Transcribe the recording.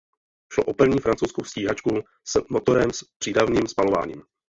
Šlo o první francouzskou stíhačku s motorem s přídavným spalováním.